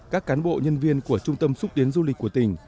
các cán bộ nhân viên của trung tâm xúc tiến du lịch của tỉnh